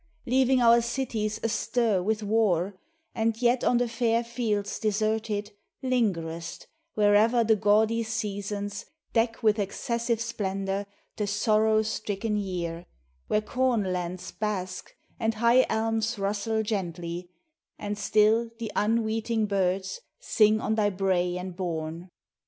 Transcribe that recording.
Leaving our cities astir with war; And yet on the fair fields deserted Lingerest, wherever the gaudy seasons Deck with excessive splendour The sorrow stricken year, Where cornlands bask and high elms rustle gently, And still the unweeting birds sing on by brae and bourn.